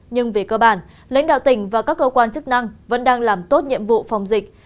nhưng về cơ bản lãnh đạo tỉnh và các cơ quan chức năng vẫn đang làm tốt nhiệm vụ phòng dịch